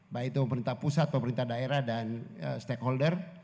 baik itu pemerintah pusat pemerintah daerah dan stakeholder